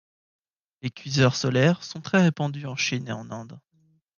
Les cuiseurs solaires sont très répandus en Chine et en Inde.